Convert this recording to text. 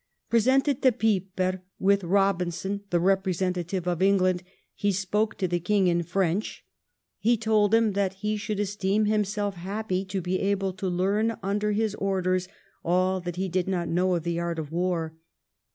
Presented by Piper, with Eobin son the representative of England, he spoke to the King in French ; he told him that he should esteem himself happy to be able to learn under his orders all that he did not know of the art of war.